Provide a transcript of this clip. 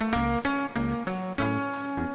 makasih ya mbak